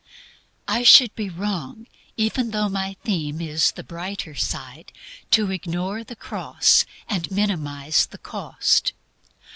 I should be wrong, even though my theme is the brighter side, to ignore the cross and minimize the cost.